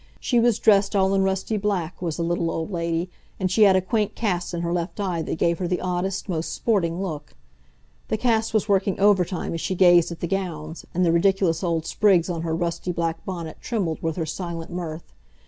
She was dressed all in rusty black, was the little old lady, and she had a quaint cast in her left eye that gave her the oddest, most sporting look. The cast was working overtime as she gazed at the gowns, and the ridiculous old sprigs on her rusty black bonnet trembled with her silent mirth.